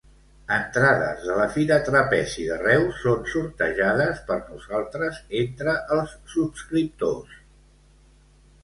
Entrades de la Fira Trapezi de Reus són sortejades per nosaltres entre els subscriptors.